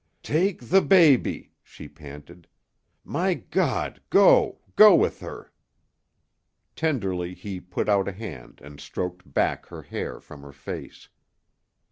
"Take the baby!" she panted. "My God go go with her!" Tenderly he put out a hand and stroked back her hair from her face.